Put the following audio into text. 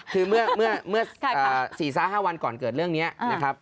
คือเมื่อ๔๕วันก่อนเกิดเรื่องนี้นะครับ